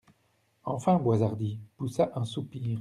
Enfin Boishardy poussa un soupir.